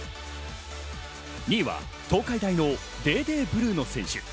２位は東海大のデーデー・ブルーノ選手。